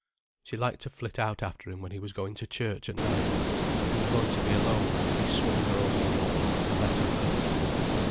She liked to flit out after him when he was going to church at night. If he were going to be alone, he swung her over the wall, and let her come.